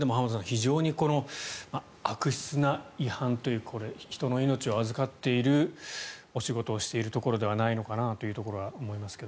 非常に悪質な違反というこれ、人の命を預かっているお仕事をしているところではないのかなと思いますが。